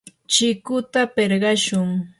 chikuta pirqashun.